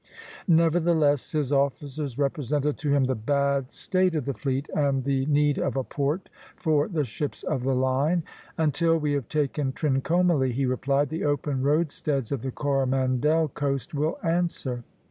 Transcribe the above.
Nevertheless, his officers represented to him the bad state of the fleet, and the need of a port for the ships of the line. 'Until we have taken Trincomalee,' he replied, 'the open roadsteads of the Coromandel coast will answer.'"